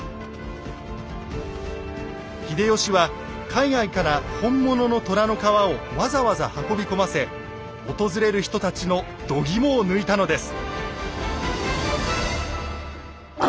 秀吉は海外から本物の虎の皮をわざわざ運び込ませ訪れる人たちのどぎもを抜いたのです。